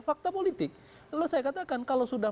fakta politik lalu saya katakan kalau sudah